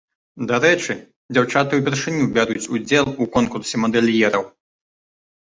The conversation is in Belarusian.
Дарэчы, дзяўчаты ўпершыню бяруць удзел у конкурсе мадэльераў.